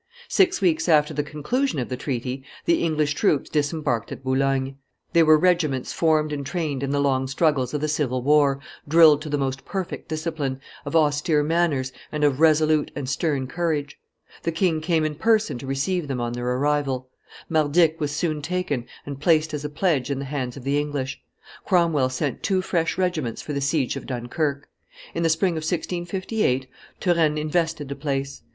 Six weeks after the conclusion of the treaty, the English troops disembarked at Boulogne; they were regiments formed and trained in the long struggles of the civil war, drilled to the most perfect discipline, of austere manners, and of resolute and stern courage; the king came in person to receive them on their arrival; Mardyk was soon taken and placed as pledge in the hands of the English. Cromwell sent two fresh regiments for the siege of Dunkerque. In the spring of 1658, Turenne invested the place.